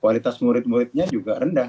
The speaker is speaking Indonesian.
kualitas murid muridnya juga rendah